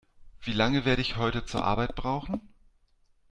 Wie lange werde ich heute zur Arbeit brauchen?